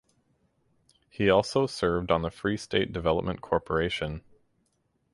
He also served on the Free State Development Corporation.